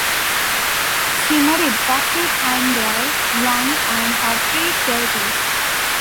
She married Geoffrey Tyndale Young, and had three daughters.